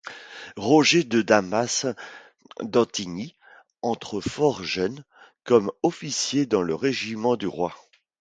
Roger de Damas d'Antigny entre fort jeune comme officier dans le régiment du Roi.